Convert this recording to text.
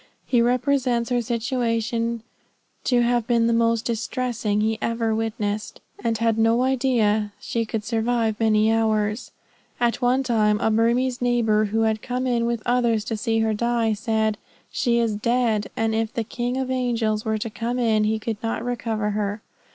He represents her situation to have been the most distressing he ever witnessed, and he had no idea she could survive many hours. At one time a Burmese neighbor, who had come in with others to see her die, said "She is dead; and if the King of angels were to come in, he could not recover her."